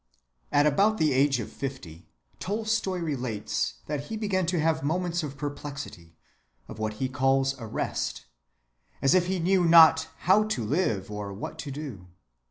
At about the age of fifty, Tolstoy relates that he began to have moments of perplexity, of what he calls arrest, as if he knew not "how to live," or what to do.